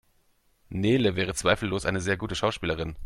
Nele wäre zweifellos eine sehr gute Schauspielerin.